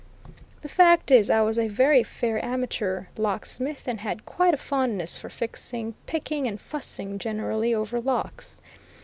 The fact is, I was a very fair amateur locksmith, and had quite a fondness for fixing, picking, and fussing generally over locks.